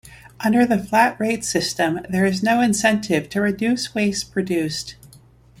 Under the flat-rate system there is no incentive to reduce waste produced.